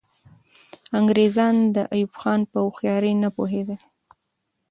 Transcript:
انګریزان د ایوب خان په هوښیاري نه پوهېدل.